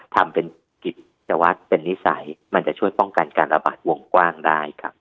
ทำเป็นกิจวัตรเป็นนิสัยมันจะช่วยป้องกันการระบาดวงกว้างได้ครับ